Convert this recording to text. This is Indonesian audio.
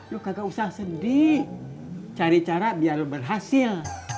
lu kagak usah sedih cari cara biar lu berhasil